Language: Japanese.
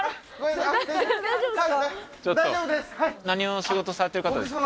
何を仕事されてる方ですか？